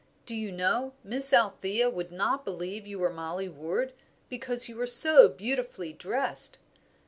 Do you know, Miss Althea would not believe you were Mollie Ward, because you were so beautifully dressed.